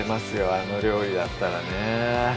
あの料理だったらね